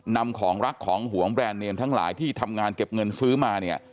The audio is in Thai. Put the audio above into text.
นำของรักของหวงแบรนด์เนมทั้งหลายที่ทำงานเก็บเงินซื้อมาเนี่ย